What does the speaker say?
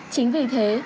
chính vì thế